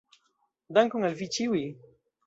Dankon al Vi Ĉiuj!